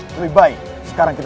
aku harus ratakan mereka dengan tanah